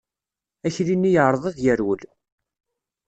Akli-nni yeεreḍ ad yerwel.